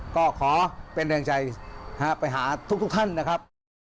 ก็ขอเป็นแรงใจไปหาทุกท่านนะครับ